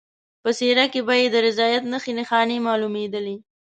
په څېره کې به یې د رضایت نښې نښانې معلومېدلې.